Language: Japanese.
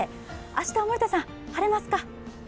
明日、森田さん、晴れますか？